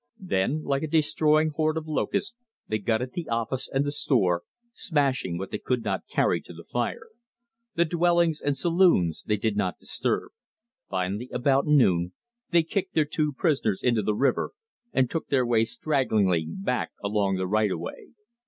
Then, like a destroying horde of locusts, they gutted the office and the store, smashing what they could not carry to the fire. The dwellings and saloons they did not disturb. Finally, about noon, they kicked their two prisoners into the river, and took their way stragglingly back along the right of way.